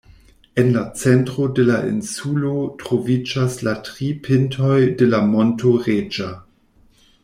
En la centro de la insulo troviĝas la tri pintoj de la monto Reĝa.